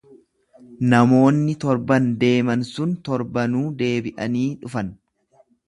Namoonni torban deeman sun torbanuu deebi'anii dhufan.